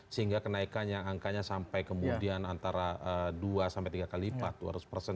sehingga kenaikannya angkanya sampai kemudian antara dua sampai tiga kali lipat